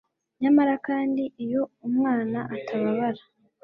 nyamara kandi, iyo umwana atababara